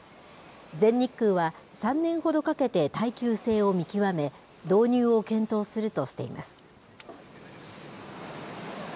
全日空は、３年ほどかけて耐久性を見極め、導入を検討するとしています。